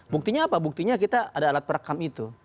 buktinya apa buktinya kita ada alat perekam itu